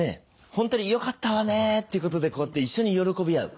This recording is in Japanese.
「本当によかったわね」っていうことでこうやって一緒に喜び合う。